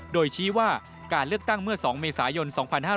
โดยชี้ว่าการเลือกตั้งเมื่อ๒เมษายน๒๕๕๙